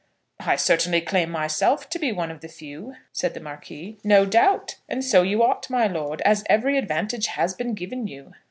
"I certainly claim to myself to be one of the few," said the Marquis. "No doubt; and so you ought, my lord, as every advantage has been given you.